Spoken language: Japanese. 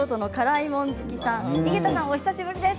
井桁さん、お久しぶりです。